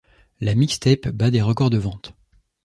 La mixtape bat des records de ventes.